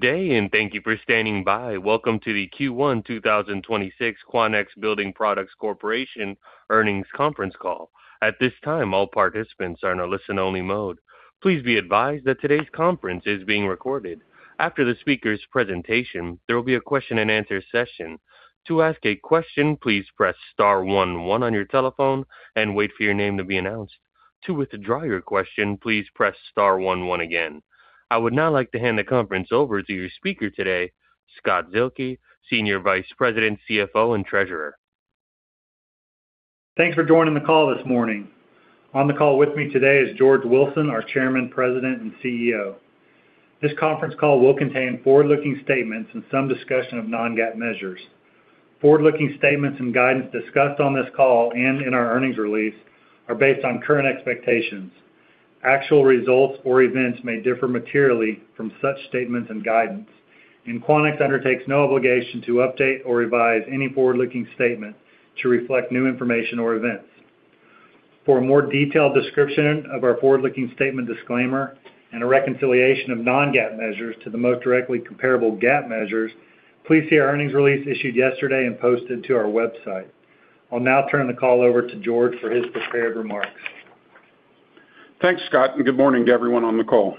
Good day, and thank you for standing by. Welcome to the Q1 2026 Quanex Building Products Corporation Earnings Conference Call. At this time, all participants are in a listen-only mode. Please be advised that today's conference is being recorded. After the speaker's presentation, there will be a question-and-answer session. To ask a question, please press star one one on your telephone and wait for your name to be announced. To withdraw your question, please press star one one again. I would now like to hand the conference over to your speaker today, Scott Zuehlke, Senior Vice President, CFO, and Treasurer. Thanks for joining the call this morning. On the call with me today is George Wilson, our Chairman, President, and CEO. This conference call will contain forward-looking statements and some discussion of non-GAAP measures. Forward-looking statements and guidance discussed on this call and in our earnings release are based on current expectations. Actual results or events may differ materially from such statements and guidance. Quanex undertakes no obligation to update or revise any forward-looking statement to reflect new information or events. For a more detailed description of our forward-looking statement disclaimer and a reconciliation of non-GAAP measures to the most directly comparable GAAP measures, please see our earnings release issued yesterday and posted to our website. I'll now turn the call over to George for his prepared remarks. Thanks, Scott. Good morning to everyone on the call.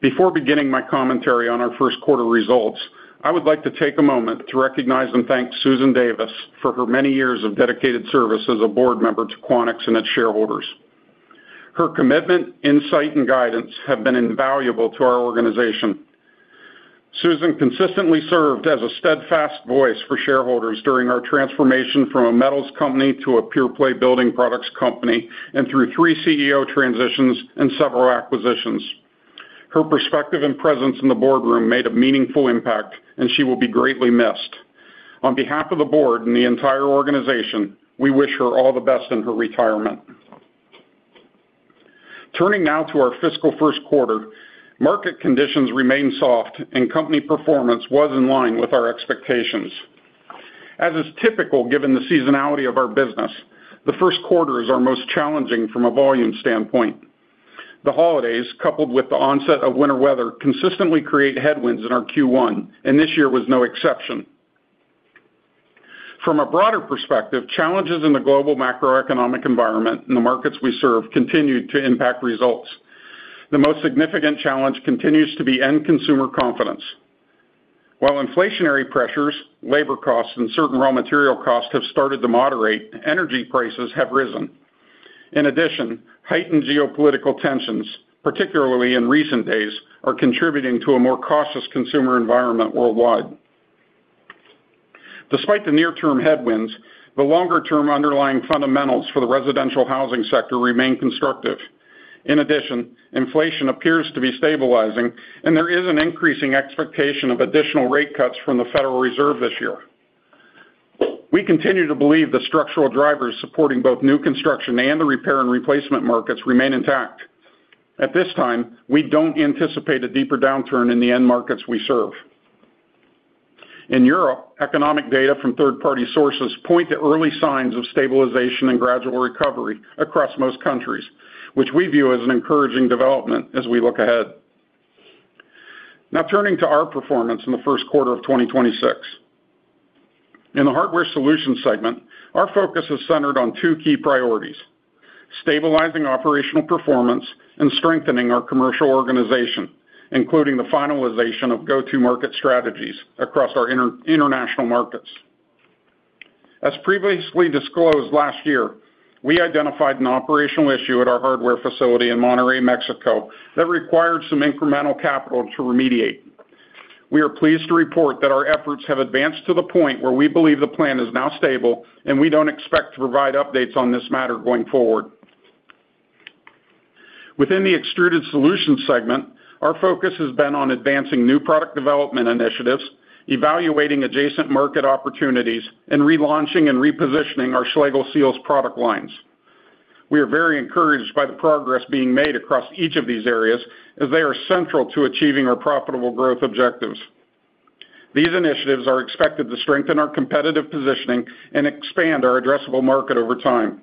Before beginning my commentary on our first quarter results, I would like to take a moment to recognize and thank Susan F. Davis for her many years of dedicated service as a board member to Quanex and its shareholders. Her commitment, insight, and guidance have been invaluable to our organization. Susan consistently served as a steadfast voice for shareholders during our transformation from a metals company to a pure-play building products company and through three CEO transitions and several acquisitions. Her perspective and presence in the boardroom made a meaningful impact, and she will be greatly missed. On behalf of the board and the entire organization, we wish her all the best in her retirement. Turning now to our fiscal first quarter, market conditions remain soft, and company performance was in line with our expectations. As is typical, given the seasonality of our business, the first quarter is our most challenging from a volume standpoint. The holidays, coupled with the onset of winter weather, consistently create headwinds in our Q1, and this year was no exception. From a broader perspective, challenges in the global macroeconomic environment and the markets we serve continued to impact results. The most significant challenge continues to be end consumer confidence. While inflationary pressures, labor costs, and certain raw material costs have started to moderate, energy prices have risen. Heightened geopolitical tensions, particularly in recent days, are contributing to a more cautious consumer environment worldwide. Despite the near-term headwinds, the longer-term underlying fundamentals for the residential housing sector remain constructive. Inflation appears to be stabilizing, and there is an increasing expectation of additional rate cuts from the Federal Reserve this year. We continue to believe the structural drivers supporting both new construction and the repair and replacement markets remain intact. At this time, we don't anticipate a deeper downturn in the end markets we serve. In Europe, economic data from third-party sources point to early signs of stabilization and gradual recovery across most countries, which we view as an encouraging development as we look ahead. Turning to our performance in the first quarter of 2026. In the Hardware Solutions segment, our focus is centered on two key priorities: stabilizing operational performance and strengthening our commercial organization, including the finalization of go-to-market strategies across our inter-international markets. As previously disclosed last year, we identified an operational issue at our hardware facility in Monterrey, Mexico, that required some incremental capital to remediate. We are pleased to report that our efforts have advanced to the point where we believe the plant is now stable, and we don't expect to provide updates on this matter going forward. Within the Extruded Solutions segment, our focus has been on advancing new product development initiatives, evaluating adjacent market opportunities, and relaunching and repositioning our Schlegel Seals product lines. We are very encouraged by the progress being made across each of these areas as they are central to achieving our profitable growth objectives. These initiatives are expected to strengthen our competitive positioning and expand our addressable market over time.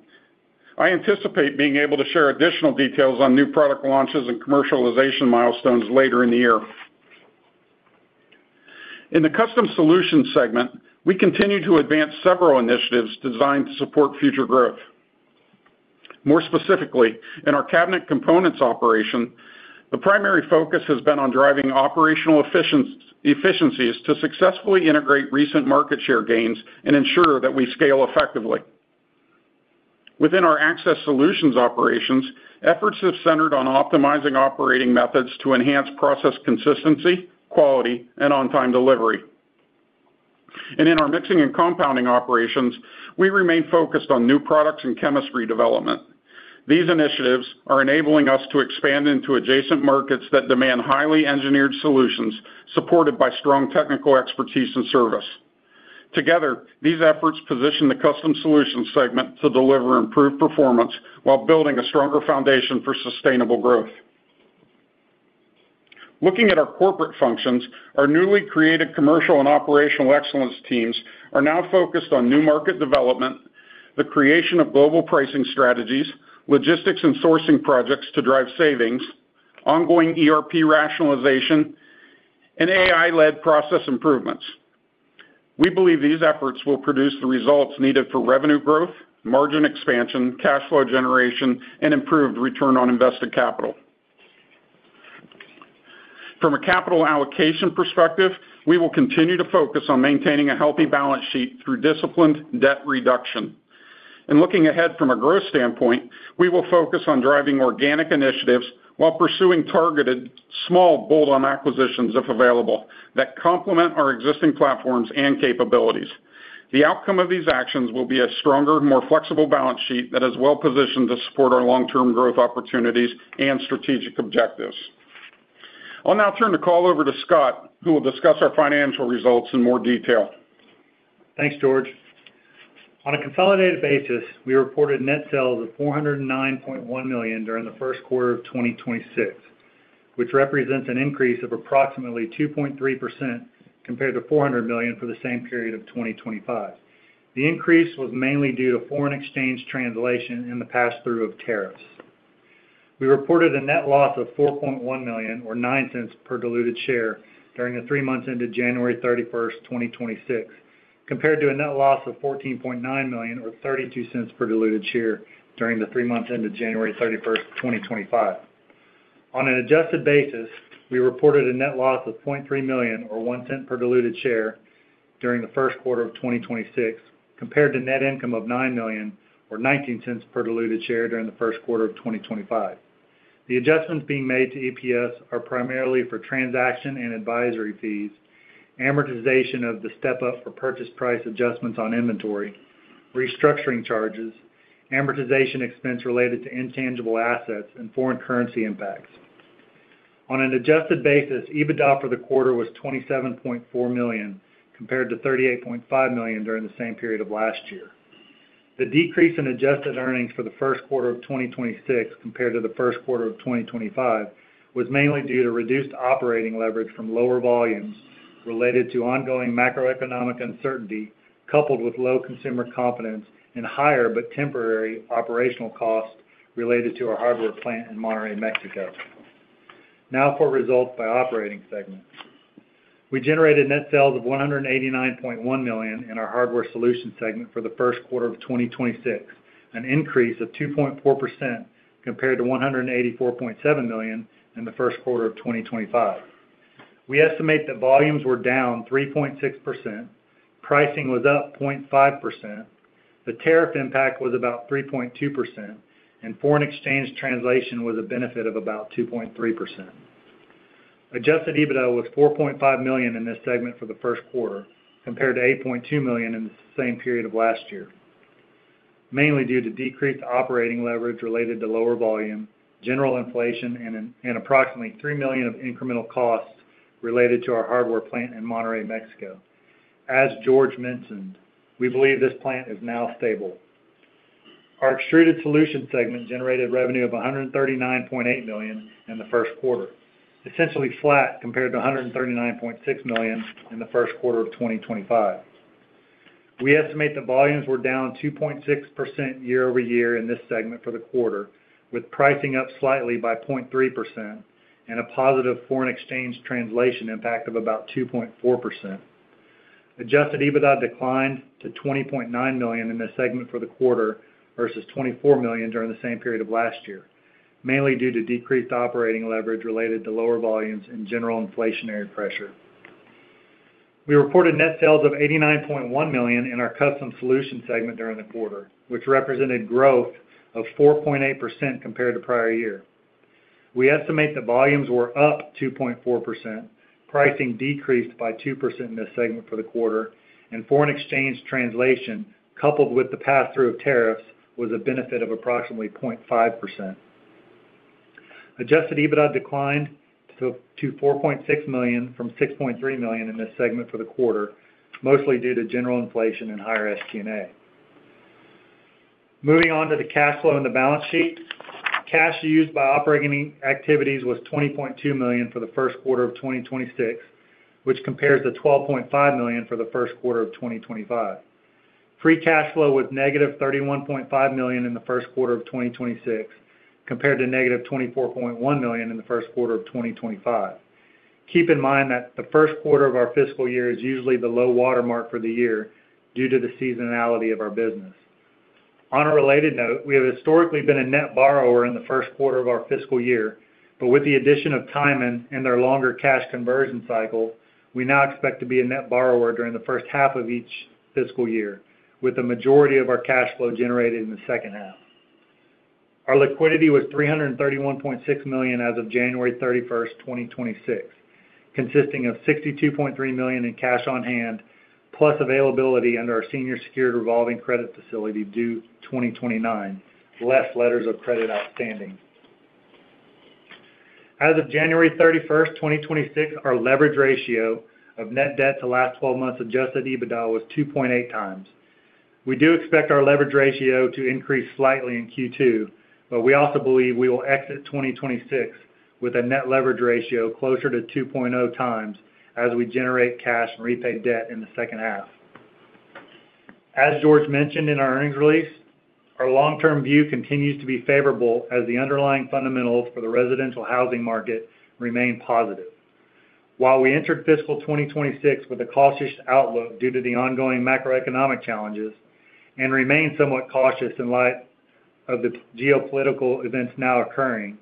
I anticipate being able to share additional details on new product launches and commercialization milestones later in the year. In the Custom Solutions segment, we continue to advance several initiatives designed to support future growth. More specifically, in our cabinet components operation, the primary focus has been on driving operational efficiencies to successfully integrate recent market share gains and ensure that we scale effectively. Within our access solutions operations, efforts have centered on optimizing operating methods to enhance process consistency, quality, and on-time delivery. In our mixing and compounding operations, we remain focused on new products and chemistry development. These initiatives are enabling us to expand into adjacent markets that demand highly engineered solutions supported by strong technical expertise and service. Together, these efforts position the Custom Solutions segment to deliver improved performance while building a stronger foundation for sustainable growth. Looking at our corporate functions, our newly created commercial and operational excellence teams are now focused on new market development. The creation of global pricing strategies, logistics and sourcing projects to drive savings, ongoing ERP rationalization, and AI-led process improvements. We believe these efforts will produce the results needed for revenue growth, margin expansion, cash flow generation, and improved return on invested capital. From a capital allocation perspective, we will continue to focus on maintaining a healthy balance sheet through disciplined debt reduction. Looking ahead from a growth standpoint, we will focus on driving organic initiatives while pursuing targeted small bolt-on acquisitions, if available, that complement our existing platforms and capabilities. The outcome of these actions will be a stronger, more flexible balance sheet that is well-positioned to support our long-term growth opportunities and strategic objectives. I'll now turn the call over to Scott, who will discuss our financial results in more detail. Thanks, George. On a consolidated basis, we reported net sales of $409.1 million during the first quarter of 2026, which represents an increase of approximately 2.3% compared to $400 million for the same period of 2025. The increase was mainly due to foreign exchange translation and the pass-through of tariffs. We reported a net loss of $4.1 million or $0.09 per diluted share during the three months ended January 31st, 2026, compared to a net loss of $14.9 million or $0.32 per diluted share during the three months ended January 31st, 2025. On an adjusted basis, we reported a net loss of $0.3 million or $0.01 per diluted share during the first quarter of 2026, compared to net income of $9 million or $0.19 per diluted share during the first quarter of 2025. The adjustments being made to EPS are primarily for transaction and advisory fees, amortization of the step-up for purchase price adjustments on inventory, restructuring charges, amortization expense related to intangible assets, and foreign currency impacts. On an adjusted basis, EBITDA for the quarter was $27.4 million, compared to $38.5 million during the same period of last year. The decrease in adjusted earnings for the first quarter of 2026 compared to the first quarter of 2025 was mainly due to reduced operating leverage from lower volumes related to ongoing macroeconomic uncertainty, coupled with low consumer confidence and higher but temporary operational costs related to our hardware plant in Monterrey, Mexico. For results by operating segment. We generated net sales of $189.1 million in our Hardware Solutions segment for the first quarter of 2026, an increase of 2.4% compared to $184.7 million in the first quarter of 2025. We estimate that volumes were down 3.6%, pricing was up 0.5%, the tariff impact was about 3.2%, and foreign exchange translation was a benefit of about 2.3%. Adjusted EBITDA was $4.5 million in this segment for the first quarter, compared to $8.2 million in the same period of last year, mainly due to decreased operating leverage related to lower volume, general inflation, and approximately $3 million of incremental costs related to our hardware plant in Monterrey, Mexico. As George mentioned, we believe this plant is now stable. Our Extruded Solutions segment generated revenue of $139.8 million in the first quarter, essentially flat compared to $139.6 million in the first quarter of 2025. We estimate that volumes were down 2.6% year-over-year in this segment for the quarter, with pricing up slightly by 0.3% and a positive foreign exchange translation impact of about 2.4%. Adjusted EBITDA declined to $20.9 million in this segment for the quarter versus $24 million during the same period of last year, mainly due to decreased operating leverage related to lower volumes and general inflationary pressure. We reported net sales of $89.1 million in our Custom Solutions segment during the quarter, which represented growth of 4.8% compared to prior year. Volumes were up 2.4%, pricing decreased by 2% in this segment for the quarter, and foreign exchange translation, coupled with the pass-through of tariffs, was a benefit of approximately 0.5%. Adjusted EBITDA declined to $4.6 million from $6.3 million in this segment for the quarter, mostly due to general inflation and higher SG&A. Moving on to the cash flow and the balance sheet. Cash used by operating activities was $20.2 million for the first quarter of 2026, which compares to $12.5 million for the first quarter of 2025. Free cash flow was -$31.5 million in the first quarter of 2026, compared to -$24.1 million in the first quarter of 2025. Keep in mind that the first quarter of our fiscal year is usually the low water mark for the year due to the seasonality of our business. On a related note, we have historically been a net borrower in the first quarter of our fiscal year, but with the addition of Tyman and their longer cash conversion cycle, we now expect to be a net borrower during the first half of each fiscal year, with the majority of our cash flow generated in the second half. Our liquidity was $331.6 million as of January 31, 2026, consisting of $62.3 million in cash on hand, plus availability under our senior secured revolving credit facility due 2029, less letters of credit outstanding. As of January 31, 2026, our leverage ratio of net debt to last twelve months adjusted EBITDA was 2.8x. We do expect our leverage ratio to increase slightly in Q2, but we also believe we will exit 2026 with a net leverage ratio closer to 2.0x as we generate cash and repay debt in the second half. As George mentioned in our earnings release, our long-term view continues to be favorable as the underlying fundamentals for the residential housing market remain positive. While we entered fiscal 2026 with a cautious outlook due to the ongoing macroeconomic challenges and remain somewhat cautious in light of the geopolitical events now occurring,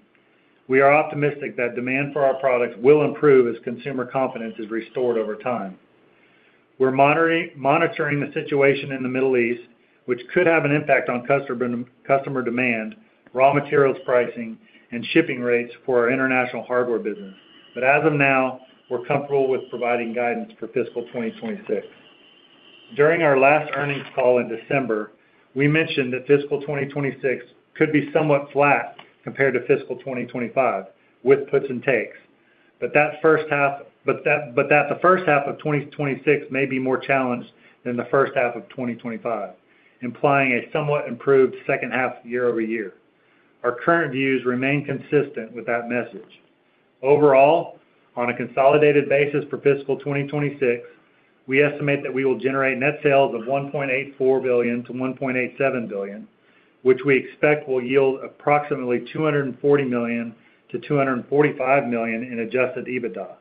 we are optimistic that demand for our products will improve as consumer confidence is restored over time. We're monitoring the situation in the Middle East, which could have an impact on customer demand, raw materials pricing, and shipping rates for our international hardware business. As of now, we're comfortable with providing guidance for fiscal 2026. During our last earnings call in December, we mentioned that fiscal 2026 could be somewhat flat compared to fiscal 2025, with puts and takes. The first half of 2026 may be more challenged than the first half of 2025, implying a somewhat improved second half year-over-year. Our current views remain consistent with that message. Overall, on a consolidated basis for fiscal 2026, we estimate that we will generate net sales of $1.84 billion-$1.87 billion, which we expect will yield approximately $240 million-$245 million in adjusted EBITDA.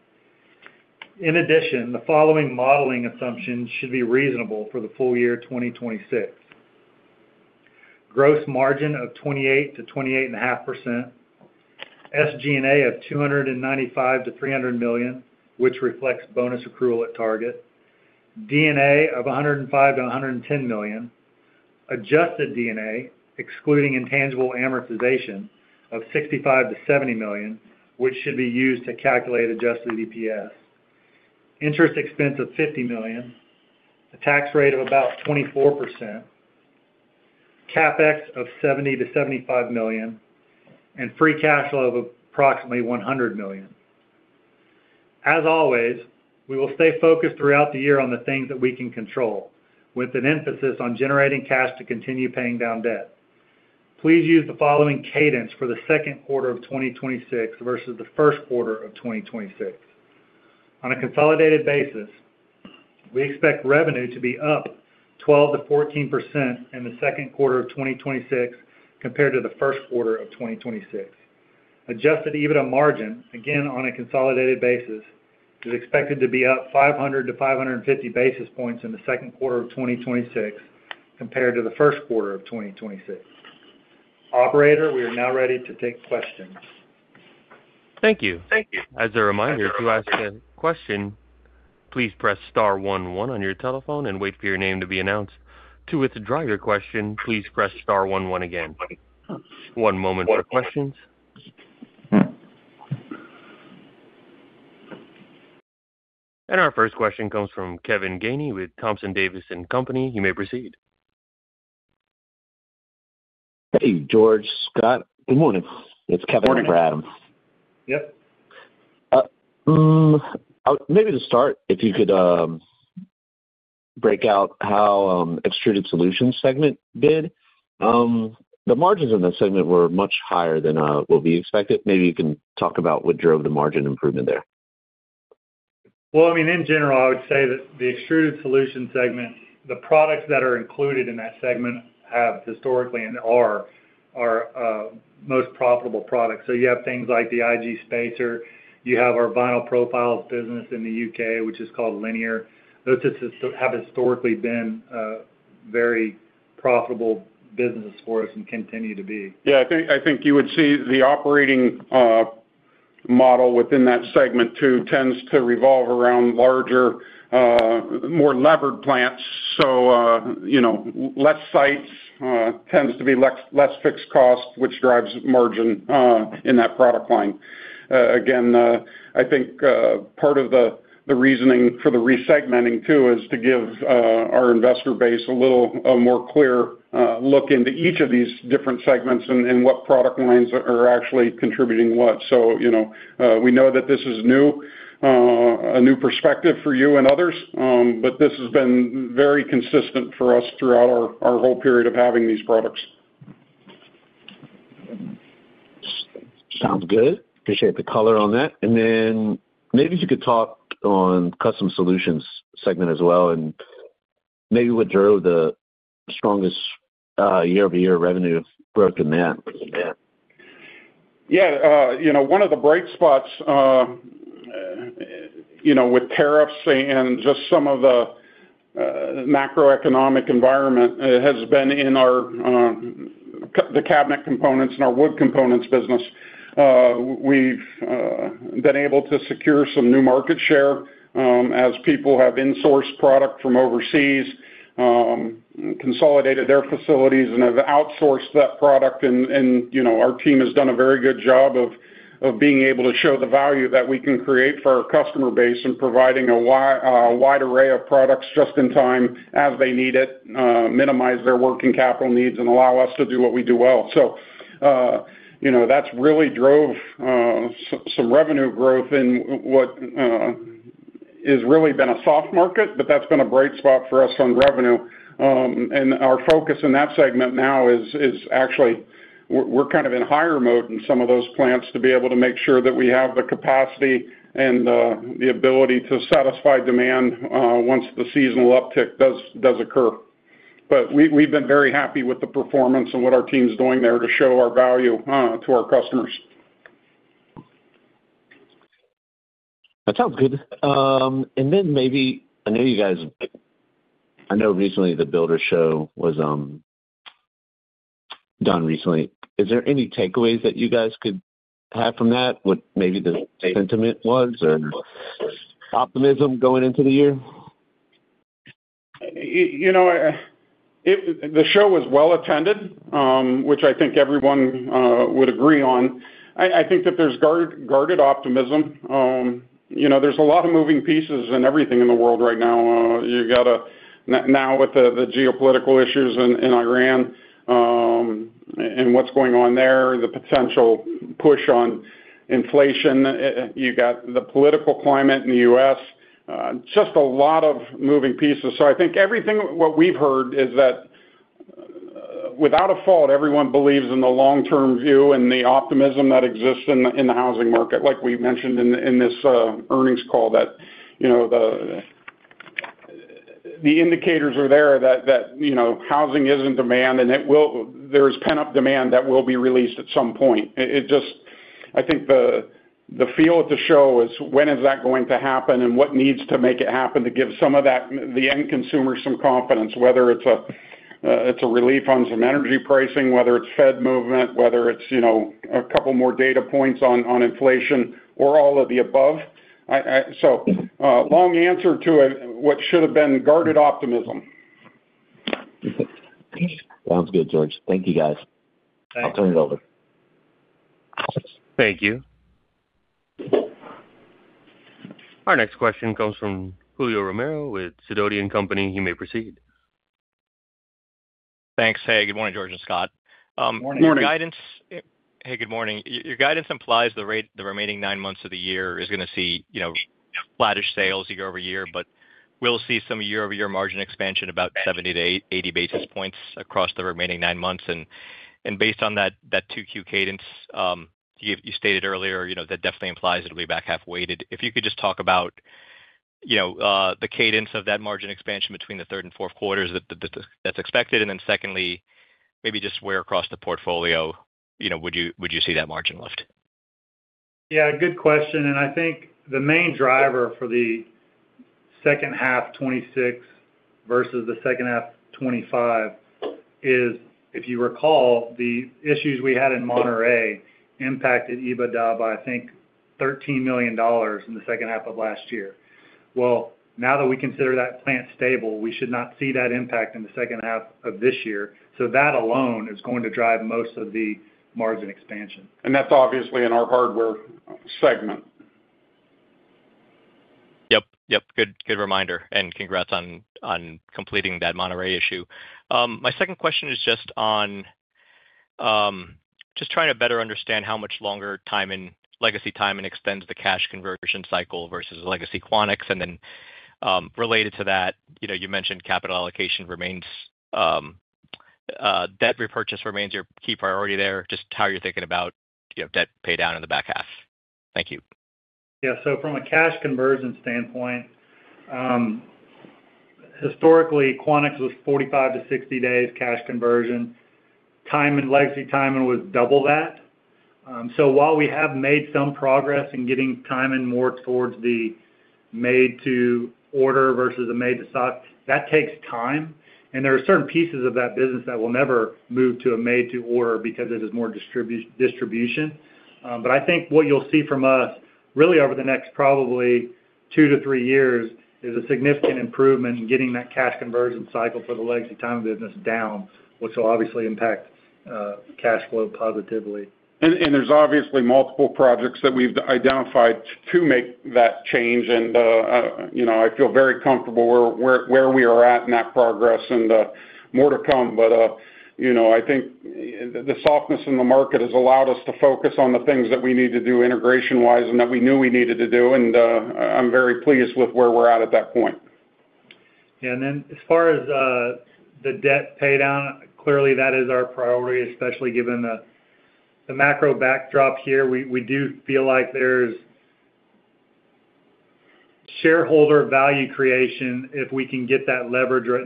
In addition, the following modeling assumptions should be reasonable for the full year 2026. Gross margin of 28%-28.5%, SG&A of $295 million-$300 million, which reflects bonus accrual at target, EBITDA of $105 million-$110 million, adjusted EBITDA, excluding intangible amortization, of $65 million-$70 million, which should be used to calculate adjusted EPS, interest expense of $50 million, a tax rate of about 24%, CapEx of $70 million-$75 million, and free cash flow of approximately $100 million. As always, we will stay focused throughout the year on the things that we can control, with an emphasis on generating cash to continue paying down debt. Please use the following cadence for the second quarter 2026 versus the first quarter 2026. On a consolidated basis, we expect revenue to be up 12%-14% in the second quarter of 2026 compared to the first quarter of 2026. Adjusted EBITDA margin, again, on a consolidated basis, is expected to be up 500 to 550 basis points in the second quarter of 2026 compared to the first quarter of 2026. Operator, we are now ready to take questions. Thank you. Thank you. As a reminder, to ask a question, please press star one one on your telephone and wait for your name to be announced. To withdraw your question, please press star one one again. One moment for questions. Our first question comes from Kevin Gainey with Thompson Davis & Co. You may proceed. Hey, George, Scott. Good morning. It's Kevin from Adams. Yep. Maybe to start, if you could break out how Extruded Solutions segment did. The margins in that segment were much higher than what we expected. Maybe you can talk about what drove the margin improvement there. Well, I mean, in general, I would say that the Extruded Solutions segment, the products that are included in that segment have historically and are most profitable products. You have things like the IG spacer, you have our vinyl profiles business in the UK, which is called Liniar. Those have historically been very profitable business for us and continue to be. Yeah, I think you would see the operating model within that segment too tends to revolve around larger, more levered plants. You know, less sites tends to be less fixed costs, which drives margin in that product line. Again, I think part of the reasoning for the re-segmenting too is to give our investor base a more clear look into each of these different segments and what product lines are actually contributing what. You know, we know that this is a new perspective for you and others, but this has been very consistent for us throughout our whole period of having these products. Sounds good. Appreciate the color on that. Maybe if you could talk on Custom Solutions segment as well and maybe what drove the strongest year-over-year revenue growth in that? Yeah, you know, one of the bright spots, you know, with tariffs and just some of the macroeconomic environment has been in our the cabinet components and our wood components business. We've been able to secure some new market share as people have insourced product from overseas, consolidated their facilities, and have outsourced that product. You know, our team has done a very good job of being able to show the value that we can create for our customer base and providing a wide array of products just in time as they need it, minimize their working capital needs, and allow us to do what we do well. You know, that's really drove some revenue growth in what is really been a soft market, but that's been a bright spot for us on revenue. Our focus in that segment now is actually we're kind of in hire mode in some of those plants to be able to make sure that we have the capacity and the ability to satisfy demand, once the seasonal uptick does occur. We've been very happy with the performance and what our team's doing there to show our value to our customers. That sounds good. Then maybe, I know you guys recently the Builder Show was done recently. Is there any takeaways that you guys could have from that? What maybe the sentiment was or optimism going into the year? You know, the show was well attended, which I think everyone would agree on. I think that there's guarded optimism. You know, there's a lot of moving pieces in everything in the world right now. You got now with the geopolitical issues in Iran, and what's going on there, the potential push on inflation, you got the political climate in the US, just a lot of moving pieces. I think what we've heard is that without a fault, everyone believes in the long-term view and the optimism that exists in the housing market, like we mentioned in this earnings call, that, you know, the indicators are there that, you know, housing is in demand, and there's pent-up demand that will be released at some point. I think the feel at the show is when is that going to happen and what needs to make it happen to give some of the end consumer some confidence, whether it's a relief on some energy pricing, whether it's Fed movement, whether it's, you know, a couple more data points on inflation or all of the above. I. Long answer to it, what should have been guarded optimism. Sounds good, George. Thank you, guys. Thanks. I'll turn it over. Thank you. Our next question comes from Julio Romero with Sidoti & Company. You may proceed. Thanks. Hey, good morning, George and Scott. Morning. Morning. Your guidance. Hey, good morning. Your guidance implies the remaining nine months of the year is gonna see, you know, flattish sales year-over-year, but we'll see some year-over-year margin expansion about 70 to 80 basis points across the remaining nine months. Based on that 2Q cadence, you stated earlier, you know, that definitely implies it'll be back half weighted. If you could just talk about, you know, the cadence of that margin expansion between the third and fourth quarters that's expected. Secondly, maybe just where across the portfolio, you know, would you see that margin lift? Yeah, good question. I think the main driver for the second half 2026 versus the second half 2025 is, if you recall, the issues we had in Monterrey impacted EBITDA by, I think, $13 million in the second half of last year. Well, now that we consider that plant stable, we should not see that impact in the second half of this year. That alone is going to drive most of the margin expansion. That's obviously in our Hardware segment. Yep. Yep. Good, good reminder, and congrats on completing that Monterrey issue. My second question is just on, just trying to better understand how much longer Tyman, legacy Tyman extends the cash conversion cycle versus legacy Quanex? Related to that, you know, you mentioned capital allocation remains, debt repurchase remains your key priority there. Just how you're thinking about, you know, debt pay down in the back half? Thank you. Yeah. From a cash conversion standpoint, historically, Quanex was 45-60 days cash conversion. Tyman, legacy Tyman was double that. While we have made some progress in getting Tyman more towards the made to order versus the made to stock, that takes time. There are certain pieces of that business that will never move to a made to order because it is more distribution. I think what you'll see from us really over the next probably two to three years is a significant improvement in getting that cash conversion cycle for the legacy Tyman business down, which will obviously impact cash flow positively. There's obviously multiple projects that we've identified to make that change. You know, I feel very comfortable where we are at in that progress and more to come. You know, I think the softness in the market has allowed us to focus on the things that we need to do integration-wise and that we knew we needed to do. I'm very pleased with where we're at at that point. Yeah. As far as the debt pay down, clearly that is our priority, especially given the macro backdrop here. We do feel like there's shareholder value creation if we can get that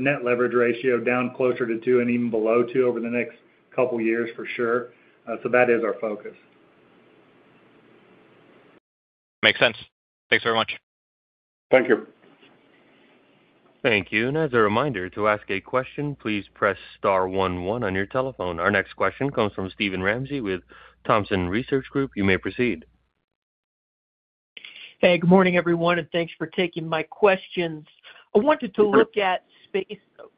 net leverage ratio down closer to two and even below two over the next couple of years for sure. That is our focus. Makes sense. Thanks very much. Thank you. Thank you. As a reminder, to ask a question, please press star one one on your telephone. Our next question comes from Steven Ramsey with Thompson Research Group. You may proceed. Hey, good morning, everyone, thanks for taking my questions. I wanted to look at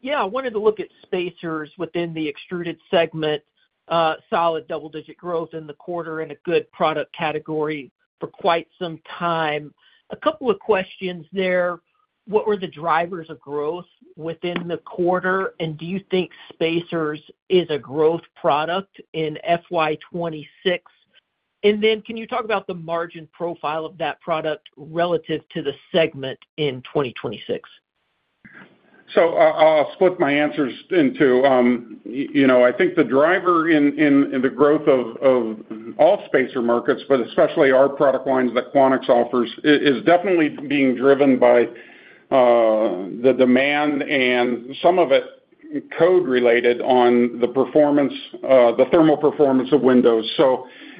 Yeah, I wanted to look at spacers within the extruded segment, solid double-digit growth in the quarter and a good product category for quite some time. A couple of questions there. What were the drivers of growth within the quarter? Do you think spacers is a growth product in FY 2026? Then can you talk about the margin profile of that product relative to the segment in 2026? I'll split my answers into, you know, I think the driver in the growth of all spacer markets, but especially our product lines that Quanex offers, is definitely being driven by the demand and some of it code related on the performance, the thermal performance of windows.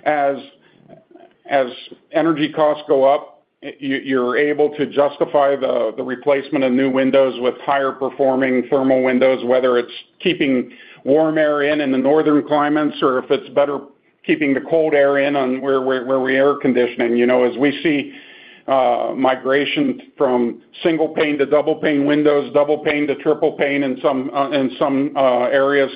As energy costs go up, you're able to justify the replacement of new windows with higher performing thermal windows, whether it's keeping warm air in the northern climates or if it's better keeping the cold air in on where we're air conditioning. You know, as we see migration from single pane to double pane windows, double pane to triple pane in some, in some areas,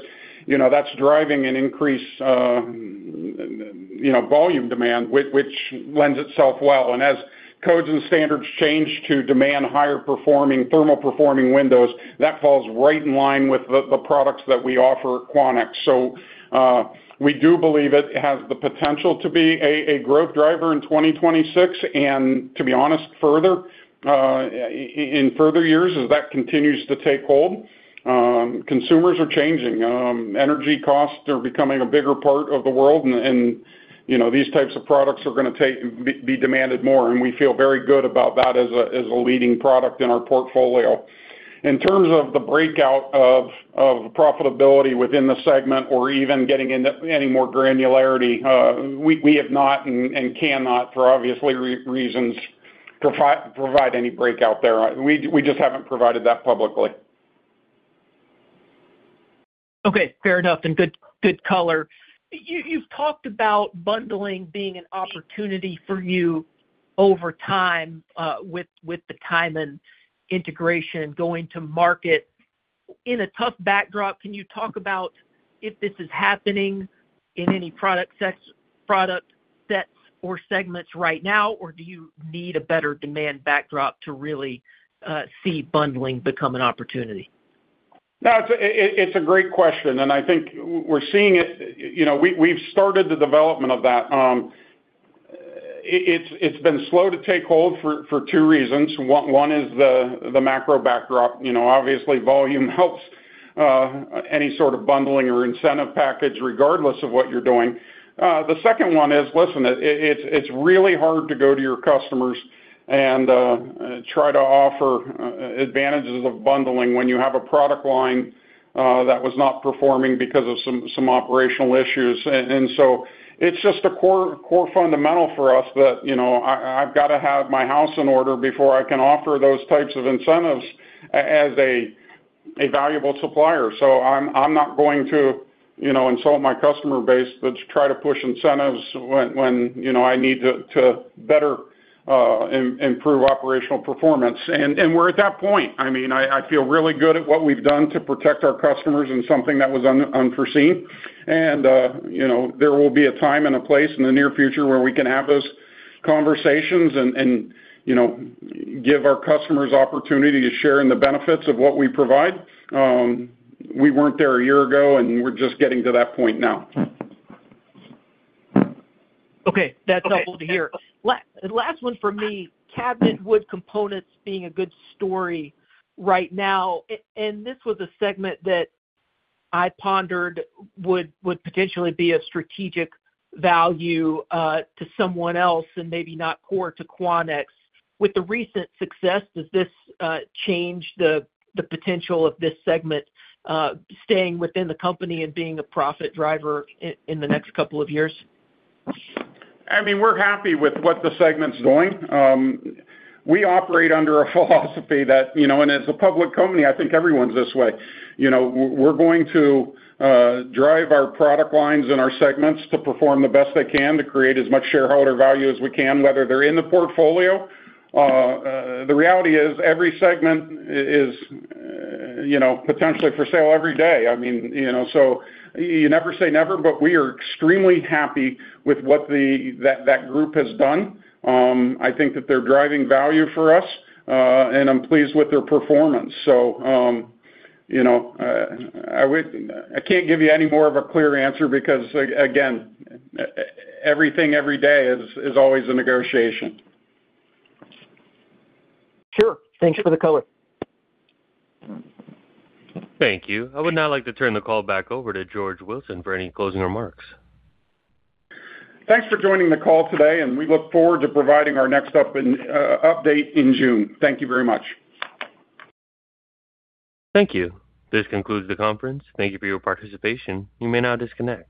you know, that's driving an increase, you know, volume demand which lends itself well. As codes and standards change to demand higher performing, thermal performing windows, that falls right in line with the products that we offer at Quanex. We do believe it has the potential to be a growth driver in 2026. To be honest, further, in further years, as that continues to take hold, consumers are changing. Energy costs are becoming a bigger part of the world and, you know, these types of products are gonna be demanded more, and we feel very good about that as a leading product in our portfolio. In terms of the breakout of profitability within the segment or even getting into any more granularity, we have not and cannot for obviously reasons, provide any breakout there. We just haven't provided that publicly. Okay, fair enough, good color. You've talked about bundling being an opportunity for you over time, with the Tyman integration going to market in a tough backdrop. Can you talk about if this is happening in any product sets or segments right now, or do you need a better demand backdrop to really see bundling become an opportunity? No, it's a great question, and I think we're seeing it. You know, we've started the development of that. It's been slow to take hold for two reasons. One is the macro backdrop. You know, obviously volume helps any sort of bundling or incentive package regardless of what you're doing. The second one is, listen, it's really hard to go to your customers and try to offer advantages of bundling when you have a product line that was not performing because of some operational issues. It's just a core fundamental for us that, you know, I've gotta have my house in order before I can offer those types of incentives as a valuable supplier. I'm not going to, you know, insult my customer base, let's try to push incentives when, you know, I need to better improve operational performance. We're at that point. I mean, I feel really good at what we've done to protect our customers in something that was unforeseen. You know, there will be a time and a place in the near future where we can have those conversations and, you know, give our customers opportunity to share in the benefits of what we provide. We weren't there a year ago, and we're just getting to that point now. Okay. That's helpful to hear. Last one for me, cabinet wood components being a good story right now. This was a segment that I pondered would potentially be of strategic value to someone else and maybe not core to Quanex. With the recent success, does this change the potential of this segment staying within the company and being a profit driver in the next couple of years? I mean, we're happy with what the segment's doing. We operate under a philosophy that, you know, and as a public company, I think everyone's this way. You know, we're going to drive our product lines and our segments to perform the best they can to create as much shareholder value as we can, whether they're in the portfolio. The reality is every segment is, you know, potentially for sale every day. I mean, you know, you never say never, but we are extremely happy with what that group has done. I think that they're driving value for us, and I'm pleased with their performance. You know, I can't give you any more of a clear answer because again, everything every day is always a negotiation. Sure. Thanks for the color. Thank you. I would now like to turn the call back over to George Wilson for any closing remarks. Thanks for joining the call today. We look forward to providing our next update in June. Thank you very much. Thank you. This concludes the conference. Thank you for your participation. You may now disconnect.